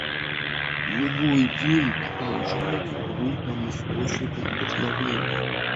Его идеи продолжают служить нам источником вдохновения.